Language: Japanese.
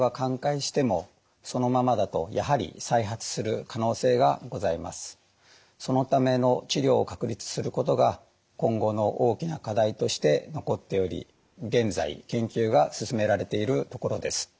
ただそのための治療を確立することが今後の大きな課題として残っており現在研究が進められているところです。